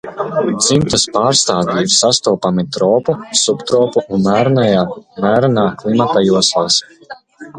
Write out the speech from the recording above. Dzimtas pārstāvji ir sastopami tropu, subtopu un mērenā klimata joslās.